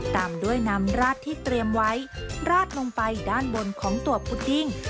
ตามด้วยนำราดที่เตรียมไว้ราดลงไปด้านบนของตัวพุดดิ้ง